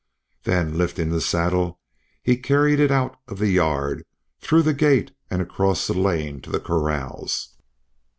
Then lifting the saddle he carried it out of the yard, through the gate and across the lane to the corrals.